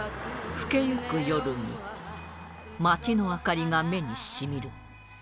更けゆく夜に街の明かりが目に染みる